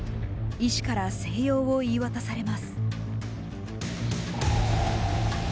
医師から静養を言い渡されます。